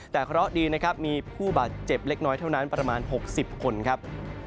แต่เคราะห์ดีนะครับมีผู้บาดเจ็บเล็กน้อยเท่านั้นประมาณ๖๐คนครับ